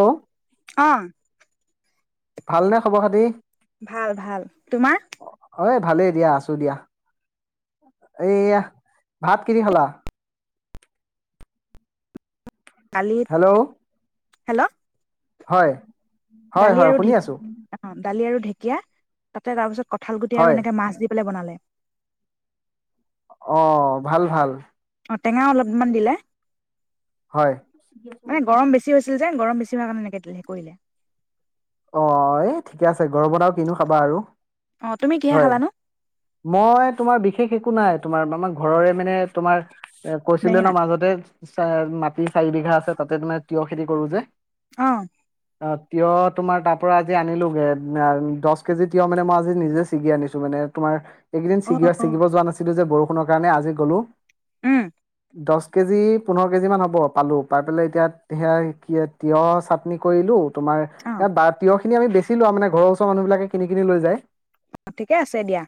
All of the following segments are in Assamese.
হেল্ল' অ'। ভালনে খবৰ-খাতি? ভাল ভাল, তোমাৰ? অ' ই ভালেই দিয়া, আছো দিয়া। এইয়া ভাত কি দি খালা? দালিত হেল্ল' হেল্ল' হয়। হয় দালি হয় আৰু শুনি ঢে, আছো অ' দালি আৰু ঢেকীয়া তাতে তাৰ পিছত কঁঠাল গুটি হয় আৰু এনেকে মাছ দি পেলাই বনালে অ' ভাল ভাল অ' টেঙাও অলপমান দিলে হয়। মানে গৰম বেছি হৈছিল যে, গৰম বেছি হোৱাৰ কাৰণে এনেকে দিলে কৰিলে অ'এই ঠিকে আছে, গৰমত আৰু কিনো খাবা আৰু অ তুমি কিহে হয়, খালানো মই তোমাৰ বিশেষ এক একো নাই, তোমাৰ মা আমাৰ ঘৰৰে মানে তোমাৰ এ কৈছিলে ন বেঙেনা মাজতে চ মাটি চাৰি বিঘা আছে তাতে তোমাৰ তিঁয়হ খেতি কৰো যে অ আহ কত [unintelligible] তোমাৰ তাৰ পৰা আজি আনিলোগে দহ কেজি তিয়হ মানে মই আজি নিজে ছিগি আনিছো মানে তোমাৰ এইকদিন অ ছিগা অ চিগিব নাছিলো যে বৰষুণত কাৰণে আজি গ'লো- উম দহ এক কেজি পোন্ধৰ কেজিমান হ'ব পালোঁ পাই পেলাই এতিয়া সেয়া তিঁয়হ চাটনি কৰিলোঁ তোমাৰ অ বা তিয়হ খিনি আমি বেছি আছিলো মানে ঘৰ ওচৰ মানুহ বিলাকে কিনি কিনি লৈ যায় অ ঠিকে আছে দিয়া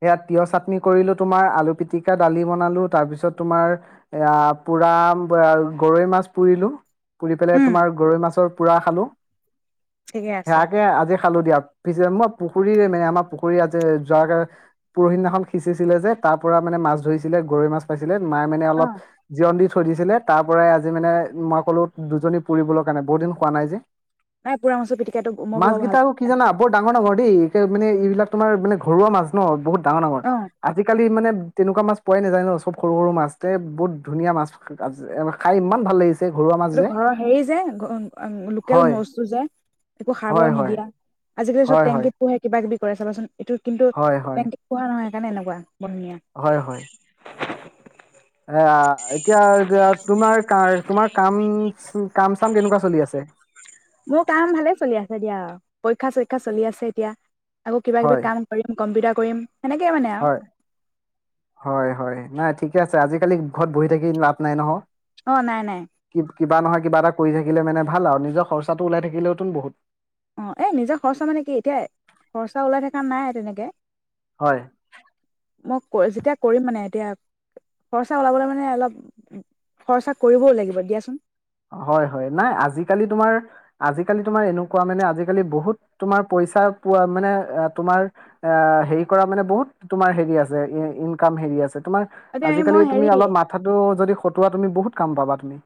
সয়াত তিঁয়হ চাটনি কৰিলোঁ তোমাৰ আলু পিটিকা দালি বনালোঁ তাৰপিছত তোমাৰ পোৰা গৰৈ মাছ পুৰিলোঁ পুৰি পেলাই উম তোমাৰ গৰৈ মাছৰ [unintelligible] পুৰা খালোঁ- ঠিকে আছে সেয়াকে আজি খালো দিয়াত সিঁচে মই পুখুৰীৰে মানে আমাৰ পুখুৰী আ যোৱাে পৰহি দিনাখন সিঁচিছিলে যে তাৰ পৰা মানে মাছ ধৰিছিলে গৰৈ মাছ পাইছিলে মায়ে মানে অ অলপ জীঅন দি থৈ দিছিলে তাৰ পৰাই আজি মানে মই ক'লো দুজনী পুৰিবলৈৰ কাৰণে বহুত দিন পোৱা নাই যে নাই পোৰা মাছৰ পিটিকাটো মই মাছ বৰ ভাল কটা আকৌ পাওঁ কি খাই। জানা বৰ ডাঙৰ ডাঙৰ দেই মানে এইবিলাক তোমাৰ মানে ঘৰুৱা মাছ ন বহুত ডাঙৰ ডাঙৰ অ আজিকালি মানে তেনেকুৱা মাছ পোৱাই নোজানো চব সৰু সৰু মাছতে বহুত ধুনীয়া মাছ খাই ইমান ভাল লাগিছে ঘৰুৱা মাছ এইটো যে ঘৰৰ হেৰি যে লোকেল হয় মসু যে একো সাৰ হয় বৰ হয় নিদিয়া [unintelligible] আজিকালি চব হয় হয় টংকত পোহে কিবা কিবি কৰাই চাবাচোন- এইটো কিন্তু হয় তেকে হয় [unintelligible] খোৱা নহয় কাৰণে এনেকুৱা হয় হয় পনিয়া এ এতিয়া এতিয়া তোমাৰ তোমাৰ কাম কাম চাম কেনেকুৱা চলি আছে মোৰ কাম ভালে চলি আছে দিয়া পৰীক্ষা চৰীক্ষা চলি আছে এতিয়া আকৌ কিবা কিবি হয় কাম কৰিম, কম্পিউটাৰ কৰিম সেনেকে মানে আৰু হয় হয় হয় নাই ঠিকে আছে আজিকালি ঘৰত বহি থাকি লাভ নাই নহয় অ নাই নাই কি কিবা নহয় কিবা এটা কৰি থাকি থাকিলে মানে ভাল আৱ নিজৰ খৰচাটো ওলাই থাকিলেও চোন বহুত অ এই নিজৰ খৰচা মানে কি এতিয়া খৰচা ওলাই থকা নাই তেনেকে হয় মই যেতিয়া কৰিম মানে এতিয়া খৰচা ওলাবলে মানে অলপ খৰচা কৰিবও লাগিব দিয়াচোন। হয় হয় নাই আজিকালি তোমাৰ আজিকালি তোমাৰ এনেকুৱা মানে আজিকালি বহুত তোমাৰ পইচা পোৱা মানে তোমাৰ এ হেৰি কৰা মানে বহুত তোমাৰ হেৰি আছে ইনকাম হেৰি আছে। তোমাৰ এতিয়া আজিকালি মই তুমি হেৰি অলপ মাথাটো যদি খতোৱা তুমি বহুত কাম পাবা তুমি।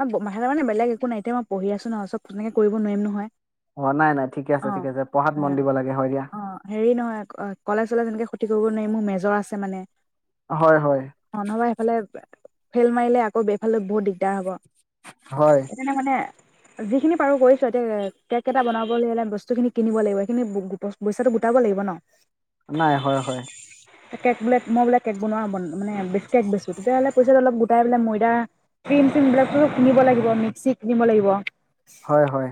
অ মাহেকে মানে বেলেগ একো নাই এতিয়া পঢ়ি আছোঁ ন চব ধুনীয়াকে কৰিব নোৱাৰিম নহয়। অ নাই নাই ঠিকে অ আছে ঠিকে আছে পঢ়াত মন দিব লাগে হয় দিয়া অ হেৰি নহয় কলেজ চলেজ এনেকে খতি কৰিব নোৱাৰিম মোৰ মেজৰ আছে। মানে হয় হয় অ নহবা সেইফালে ফেইল মাৰিলে আকৌ ইফালেও বহুত দিগদাৰ হ'ব হয় সেইকানে মানে যিখিনি পাৰোঁ কৰিছোঁ এতিয়া কেক এটা বনাবলে হ'লে বস্তুখিনি কিনিব লাগিব সেইখিনি পইচাটো গোটাব লাগিব ন নাই হয় হয় কেক বোলে মই বোলে কেক বনোৱা মানে কেক বেছো তেতিয়াহ'লে পইচা অলপ গোটাই বোলে ময়দা ক্ৰীম চিৰিম বিলাক টো কিনিব লাগিব মিক্সি কিনিব লাগিব। হয় হয়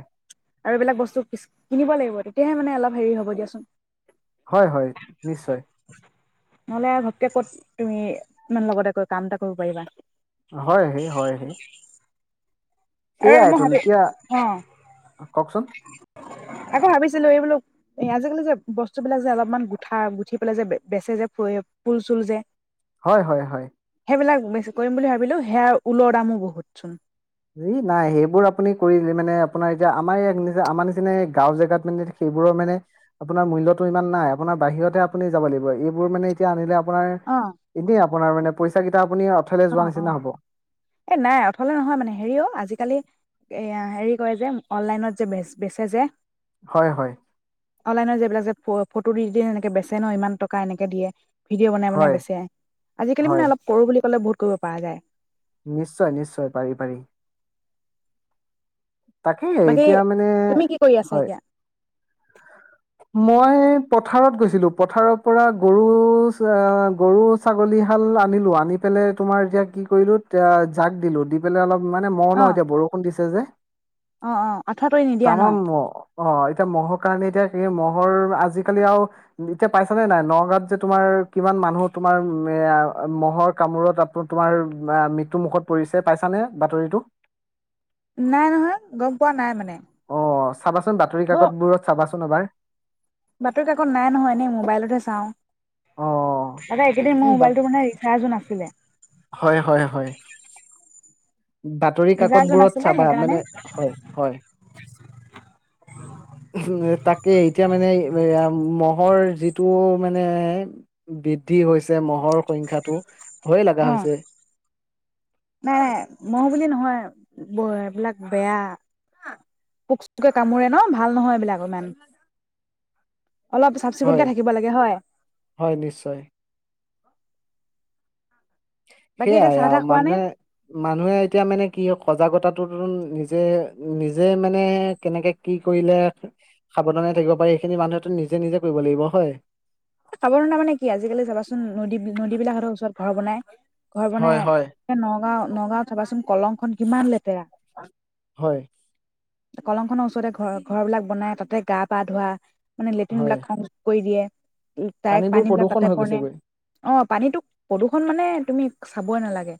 আৰু এইবিলাক বস্তু কিছু কিনিব লাগিব তেতিয়াহে মানে অলপ হেৰি হ'ব দিয়াচোন। হয় হয় নিশ্চয় নহ'লে ঘপকে ক'ত তুমি ইমান লগতে কৈ কাম এটা কৰিব পাৰিবা নু হয় হে হয় হে আৰু মই সেইয়াইতো ভাবি এতিয়া অ কওকচোন আকৌ ভাবিছিলো এইবোলো এ আজিকালি যে বস্তুবিলাক যে অলপমান গুঠা গুঠি পেলাই যে বেচে যে ফ ফুল চুল যে হয় হয় হয় সেইবিলাক বেছি কৰিম বুলি ভাবিলো সেয়া ঊলৰ দামো বহুত চোন। এই নাই সেইবোৰ আপুনি কৰি মানে আপোনাৰ এতিয়া আমাৰ ইয়াত আমাৰ নিচিনা গাওঁ জেগাত মানে সেইবোৰৰ মানে আপোনাৰ মূল্যটো ইমান নাই আপোনাৰ বাহিৰতে আপুনি যাব লাগিব এইবোৰ মানে এতিয়া আনিলে আপোনাৰ অ', এনেই আপোনাৰ মানে পইচা কিতাপ অ অ এ নাই অথলে নহয় মানে হেৰি হয় হয় অনলাইনৰ যিবিলাক যে ফ ফটো দি দে এনেকে বেছে ন' ইমান টকা এনেকে দিয়ে ভিডিঅ বনাই মানে হয় বেছে আজিকালি মানে হয় অলপ কৰো বুলি ক'লে বহুত কৰিব পৰা যায়। নিশ্চয় নিশ্চয় পাৰি পাৰি। তাকেই, বাকী এতিয়া মানে তুমি কি কৰি আছা হয় এতিয়া? মই পথাৰত গৈছিলো। পথাৰৰ পৰা গৰু আহ গৰু-ছাগলীহাল আনিলো, আনি পেলাই তোমাৰ এতিয়া কি কৰিলো এ জাক দিলো, দি পেলাই অলপ মানে ম'হ ন' অ', এতিয়া, বৰষুণ দিছে যে অ', অ', আঠুৱা তৰি নিদিয়া ন? তামাম ম'হ। অ' এতিয়া ম'হক এতিয়া কি ম'হৰ আজিকালি আও, এতিয়া পাইছানে নাই নগাঁৱত যে তোমাৰ কিমান মানুহ তোমাৰ এ আ ম'হৰ কামোৰত আপ তোমাৰ আ মৃত্যু মুখত পৰিছে পাইছানে বাতৰিটো? নাই নহয়, গম পোৱা নাই মানে অ চাবাচোন বাতৰি ব কাকতবোৰত চাবাচোন এবাৰ বাতৰি কাকত নাই নহয়, এনেই মোবাইলতহে চাওঁ। অ তাতে এইকেইদিন মোৰ উম মোবাইলটো মানে ৰিচাৰ্জো নাছিলে হয় হয় হয় বাতৰি কাকত ৰিচাৰ্জো বোৰত নাছিলে চাবা। সেইকাৰণে মানে হয় হয়, তাকে এতিয়া মানে এ এয়া ম'হৰ যিটো মানে বৃদ্ধি হৈছে, ম'হৰ সংখ্যাটো ভয়ে লাগা অ হৈছে। নাই নাই, মও বুলি নহয় ব এ এইবিলাক বেয়া, পোক-চোকে কামোৰে ন' ভাল নহয় এইবিলাক অকমান অলপ চাফ-চিকুণকে হয় থাকিব লাগে হয় হয় নিশ্চয় বাকী এতিয়া সেইয়াই চাহ আও, তাহ খোৱা নে মানুহে মানুহে এতিয়া মানে কি হয় সজাগতা টোতোন নিজে নিজে মানে কেনেকে কি কৰিলে সাৱধানে থাকিব পাৰি, এইখিনি মানুহে তো নিজে নিজে কৰিব লাগিব হয় সাৱধানতা মানে কি আজিকালি চাবাচোন নদী নদীবিলাকৰ ওচৰত ঘৰ বনাই ঘৰ বানাই, হয় হয় এ নগাঁও নগাঁওত চাবাচোন কলং খন কিমান লেতেৰা হয় কলংখনৰ ওচৰতে ঘৰ, ঘৰ বিলাক বনাই। তাতে গা-পা ধোৱা মানে লেট্ৰিন হয় বিলাক সংযোগ কৰি দিয়ে ডাইৰেক্ট পানীবোৰ পানী বিলাক প্ৰদূষণ তাতে হৈ পৰণে। গৈছেগৈ অ' পানীতোক প্ৰদূষণ মানে তুমি চাবই নালাগে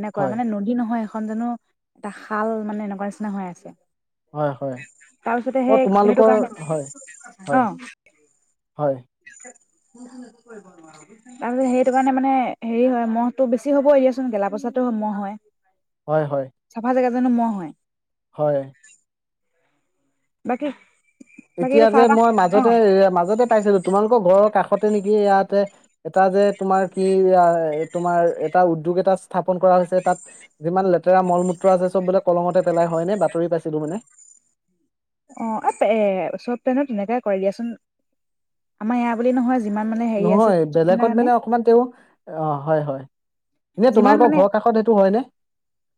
এনেকুৱা হয় মানে নদী নহয় এ খন জানো এটা শাল মানে এনেকুৱা নিচিনা হৈ আছে। হয়-হয়। তাৰপিছতে অ' সেই সেইটো তোমালোকৰ কাৰণে অ হয়-হয়-হয়। তাৰপিছত সেইটো কাৰণে মানে হেৰি হয়, ম'হটো বেছি হ'বই দিয়াচোন, গেলা-পচাতো ম'হ হয়। হয়-হয়। চাফা জেগা জানো মহ হয়। হয়। বাকী বাকী এতিয়া যে চাহ মই তাহ মাজতে এ মাজতে পাইছিলো তোমালোকৰ ঘৰৰ কাষ তে নেকি ইয়াতে এটা যে তোমাৰ কি তোমাৰ এটা উদ্যোগ এটা আছে স্থাপন কৰা হৈছে, তাত যিমান লেতেৰা মল মূত্ৰ আছে চব বোলে কলঙতে পেলাই হয় নে বাতৰিত পাইছিলো মানে। অ-অ এ চব পন তেনেকাই কৰে দিয়াচোন আমাৰ ইয়া বুলি নহয় যে, নহয় বেলেগত মানে অকমান তেওঁ অহ হয়-হয় এনে যিমান তোমালোকৰ মানে ঘৰ কাষত সেইটো হয়নে?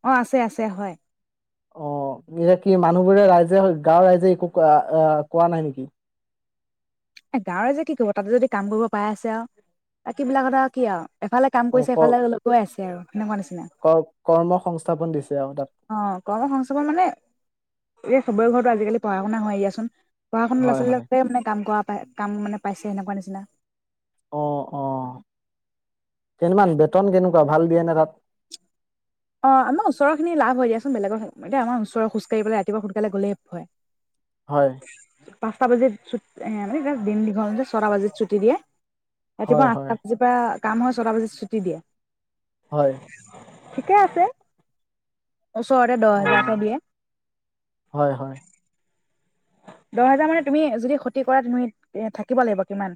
অ আছে আছে হয় অ' এয়া কি মানুহবোৰে ৰাইজে গাঁৱৰ ৰাইজে একো অহ কোৱা নাই নেকি? এ গাঁৱৰে যে কি কব তাতে যদি কাম কৰিব পাই আছে আৰু বাকী বিলাকত আৰু কি আৰু। এফালে কাম অ কৰিছে ক এইফালে গৈ আছে। তেওঁ তেনেকুৱা নিচিনা ক কৰ্ম সংস্থাপন দিছে আৰু তাত অ' কৰ্ম সংস্থাপন মানে চবৰে ঘৰতো আজিকলি পঢ়াশুনা হয় দিয়াচোন। পঢ়শুনা ল'ৰা হয় হয় ছোৱালীবোৰে মানে কাম কৰা কাম মানে পাইছে সেনেকুৱা নিচিনা। অ-অ কিমান বেতন কেনেকুৱা ভাল দিয়ে নে তাত? অ' আমাৰ ওচৰৰ খিনি লাভ হয় দিয়াচোন বেলেগৰ এতিয়া আমাৰ ওচৰত খোজ খোজাঢ়ি পেলাই ৰাতিপুৱা সোনকালে গ'লেই হয়। হয় [unintelligible] পাঁচটা বাজি চুট এ মানে দিন দীঘল ছটা বাজাত ছুটি দিয়ে। হয় ৰাতিপুৱা হয় আঠটা বজাৰ পৰা কামৰ ছটা বজাত ছুটি দিয়ে। হয়। ঠিকে আছে। ওচৰতে দহ অ হেজাৰ এটা হয় হয় দিয়ে। দহ হেজাৰ মানে তুমি যদি ক্ষতি কৰা তুমি থাকিব লাগিব কিমান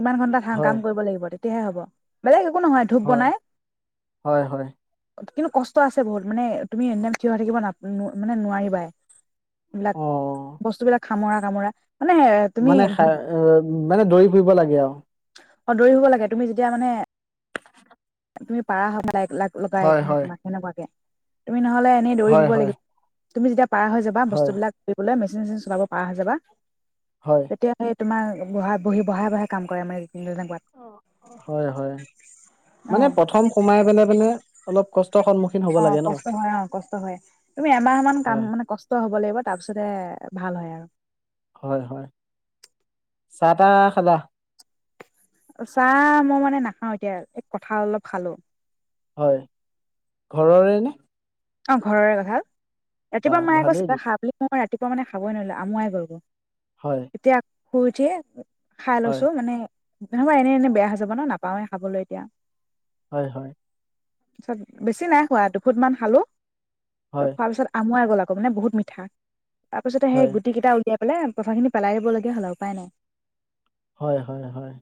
কিমান ঘণ্টা থাকি কাম কৰিব লাগিব। তেতিয়াহে হ'ব বেলেগ একো নহয় ধূপ বনাই হয়-হয়-হয়। কিন্তু কষ্ট আছে বহুত মানে তুমি এনিটাইম থিয় হৈ থাকিব মানে নোৱাৰিবা। লা অ বস্তুবিলাক খামৰা কামৰা মানে খাৰ মানে দৌৰি ফুৰিব লাগে আও। অঁ দৌৰি ফুৰিব লাগে তুমি যেতিয়া মানে তুমি পাৰা হৈ যাক লাইক লাগ লগাই হয় মানে হয় তোমাক সেনেকুৱাকে। তুমি নহ'লে এনেই দৌৰি হয় ফুৰিব হয় লাগিব। তুমি যেতিয়া। পাৰ হৈ যাবা হয় বস্তুবিলাক বোলে মেচিন চেচিন চলাব পাৰা হৈ যাবা। হয় তেতিয়া সেই তোমাৰ বহা বহি বহাই বহাই কাম কৰে মানে তেনেকুৱাত অ, হয় হয়, অ মানে প্ৰথম সোমাই পেলাই পেলে অলপ কষ্ট অ, কষ্ট হয় অ, কষ্ট হয়। তুমি এমাহ মান কাম হয় মানে কষ্ট হব লাগিব তাৰ পিছতে ভাল হয় আৰু। হয় হয়, চাহ তাহ খালা? চাহ মই মানে নাখাওঁ এতিয়া, এ কঁঠাল অলপ খালোঁ। হয়, ঘৰৰে নে? অ, ঘৰৰে কঁঠাল। বা ৰাতিপুৱা মায়ে ভালেই কৈছে খা বুলি মই ৰাত- ৰাতিপুৱা মানে খাবই নোৱাৰিলো, আমুৱাই গৈ গ'ল। হয় এতিয়া শুই উঠিয়ে- খাই হয় লৈছোঁ, মানে- নহ'লে এনে এনে বেয়া হৈ যাব ন, নাপাওঁৱেই খাবলৈ এতিয়া। হয় হয়। যত বেছি নাই খোৱা দুখুট মান খালোঁ। ত হয় খোৱাৰ পিছত আমুৱাই গ'ল ক'বনে বহুত মিঠা। তাৰ পিছতে হয় সেই গুটি কেইটা উলিয়াই বোলে কঁঠালখিনি পেলাই দিবলগীয়া হ'ল আও উপায় নাই। হয় হয় হয়।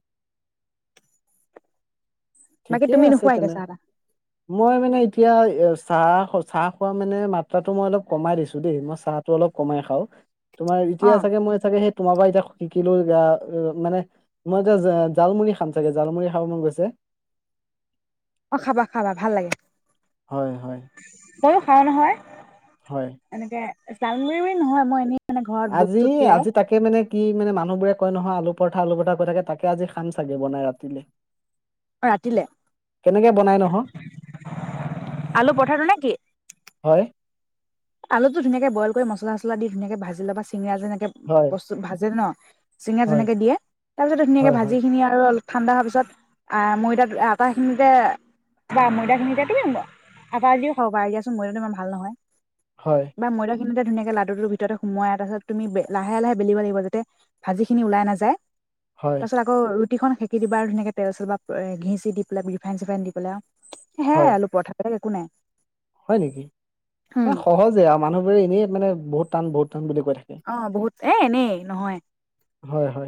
বাকী ঠিকেই তুমি আছে নোখোৱা এতিয়া তেনে, চাহ তাহ মই মানে এতিয়া চাহ খ চাহ খোৱা মাত্ৰাটো মানে মই অলপ কমাই দিছোঁ দেই, মই চাহটো অলপ কমাই খাওঁ। তোমাৰ অ এতিয়া চাগে মই চাগে সেইত তোমাৰ পৰা এতিয়া শিকিলো [unintelligible] মানে, মই এতিয়া জা জালমুৰি খাম চাগে, জালমু়ৰি খাব মন গৈছে। অ', খাবা-খাবা ভাল লাগে। হয়, হয়। [unintelligible] খাওঁ নহয়। হয় এনেকে জালমুঢ়ি বুলি নহয় মই এনে আজি-আজি তাকে মানে কি মানে মানুহবোৰে কয় নহয় আলু পৰঠা, আলু পৰঠা কৈ থাকে তাকে আজি খাম চাগে বনাই ৰাতিলে। অ', অ। অ', ৰাতিলে বনাই নহয় আলু পঠাৰটো নে কি? হয়। আলুতটো ধুনীয়াকৈ বইল কৰি মছলা পচলা দি ধুনীয়াকে ভাজি লব চিঙৰা যেনেকে হয় বস্তু ভাজে ন। চিঙিৰা হয় যেনেকে দিয়ে তাৰপিছতে ধুনীয়াকে হয় ভাজি হয় খিনি আৰু অল ঠাণ্ডা হোৱাৰ পিছত আহ, ময়দা আটাখিনিতে বা ময়দাখিনিতে তুম আ-আটা দিও খাব পাৰ দিয়াচোন ময়দাটো ইমান ভাল নহয়। হয় বা ময়দা [unintelligible] ধুনীয়াক লাডুৰ ভিতৰতে সোমাই তাৰপাছত তুমি বে-লাহে লাহে বেলিব লাগিব যাতে ভাজিখিনি ওলাই নাযায়। হয় পাছত আকৌ। ৰুটিখন খেকি দিবা আৰু ধুনীয়াকৈ তেল-চেল বা ঘি-চি দি পেলাই ৰিফাইন- চিফাইন দি পেলাই। হে হয় আলু পৰঠা [unintelligible] কোনে। হয় নেকি [unintelligible] সহজে আৰু মানুহবোৰে এনেই মান বহুত টান, বহুত টান বুলি কয়। অ', বহুত এ, এনেই নহয়। হয়, হয়।